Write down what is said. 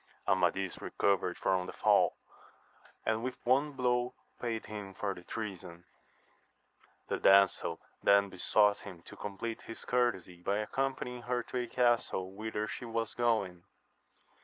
Amadis recovered from the fall, and with one blow paid him for the treason. The damsel then besought him to compleat his courtesy by accompanying her to a castle whither she was going.